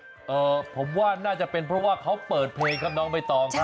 เออผมว่าน่าจะเป็นเพราะว่าเขาเปิดเพลงครับน้องใบตองครับ